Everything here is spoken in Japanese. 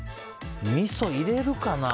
みそ入れるかな？